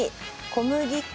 小麦粉。